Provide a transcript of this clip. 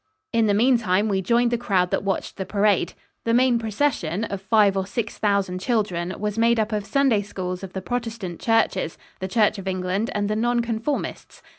In the meantime we joined the crowd that watched the parade. The main procession, of five or six thousand children, was made up of Sunday Schools of the Protestant churches the Church of England and the "Non Conformists."